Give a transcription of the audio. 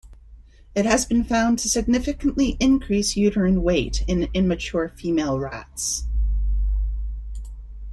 It has been found to significantly increase uterine weight in immature female rats.